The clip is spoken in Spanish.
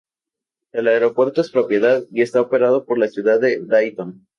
El aeropuerto es propiedad y está operado por la ciudad de Dayton.